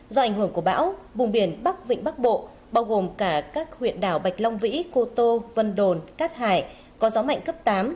do ảnh hưởng của bão vùng biển bắc vịnh bắc bộ bao gồm cả các huyện đảo bạch long vĩ cô tô vân đồn cát hải có gió mạnh cấp tám